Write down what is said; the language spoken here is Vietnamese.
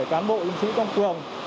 cán bộ chiến sĩ công trường